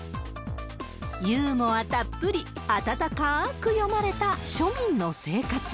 ユーモアたっぷり、温かーく詠まれた庶民の生活。